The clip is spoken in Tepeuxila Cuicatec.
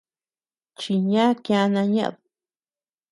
Chiñá kiana ñeʼed.